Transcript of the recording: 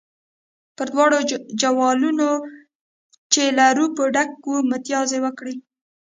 پر دواړو جوالونو چې له روپو ډک وو متیازې وکړې.